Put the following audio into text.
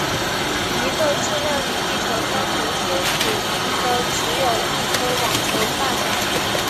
一个质量与地球相同先子星的只有一颗网球大小。